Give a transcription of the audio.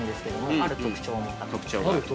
◆ある特徴？